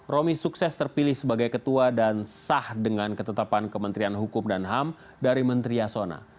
romi sukses terpilih sebagai ketua dan sah dengan ketetapan kementerian hukum dan ham dari menteri yasona